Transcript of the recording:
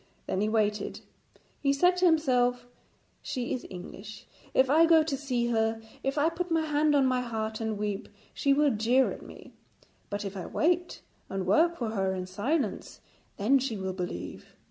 Then he waited. He said to himself, 'She is English. If I go to see her, if I put my hand on my heart and weep, she will jeer at me; but if I wait and work for her in silence, then she will believe.'